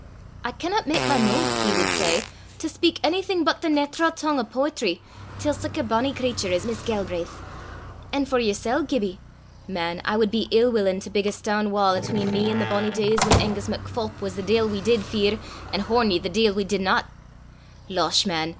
"I can_not_ mak my moo'," he would say, "to speyk onything but the naitral tongue o' poetry till sic a bonnie cratur as Miss Galbraith; an' for yersel', Gibbie man! I wad be ill willin' to bigg a stane wa' atween me an' the bonnie days whan Angus MacPholp was the deil we did fear, an' Hornie the deil we didna. Losh, man!